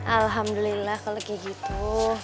alhamdulillah kalau kayak gitu